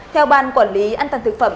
theo ban quản lý an toàn thực phẩm